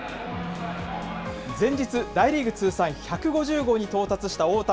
前日、大リーグ通算１５０号に到達した大谷。